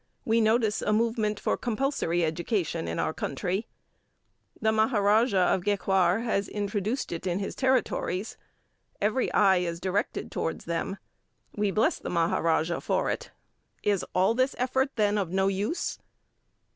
We notice a movement for compulsory education in our country. The Maharaja of Gaekwar has introduced it in his territories. Every eye is directed towards them. We bless the Maharaja for it. Is all this effort then of no use?